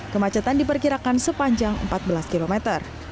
kemacetan diperkirakan sepanjang empat belas km